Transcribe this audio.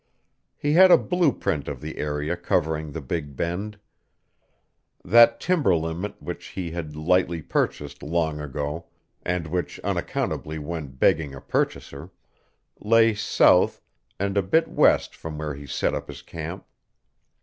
He had a blue print of the area covering the Big Bend. That timber limit which he had lightly purchased long ago, and which unaccountably went begging a purchaser, lay south and a bit west from where he set up his camp.